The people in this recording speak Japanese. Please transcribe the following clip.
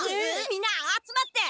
みんな集まって！